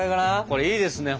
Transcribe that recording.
これいいですね。